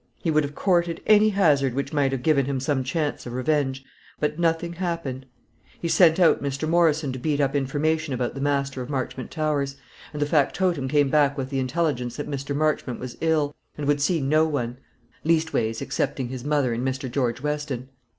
He would have courted any hazard which might have given him some chance of revenge. But nothing happened. He sent out Mr. Morrison to beat up information about the master of Marchmont Towers; and the factotum came back with the intelligence that Mr. Marchmont was ill, and would see no one "leastways" excepting his mother and Mr. George Weston.